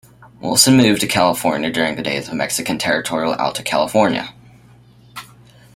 Wilson moved to California during the days of Mexican territorial Alta California.